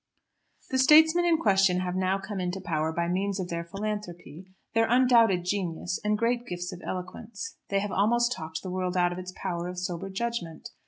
The statesmen in question have now come into power by means of their philanthropy, their undoubted genius, and great gifts of eloquence. They have almost talked the world out of its power of sober judgment.